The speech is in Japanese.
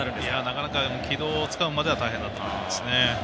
なかなか軌道をつかむまで大変だと思います。